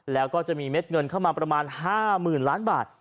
แล้วก็จะมีเม็ดเงินเข้ามาประมาณ๕๐๐๐ล้านบาท